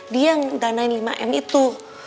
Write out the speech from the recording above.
dia yang danain lima m itu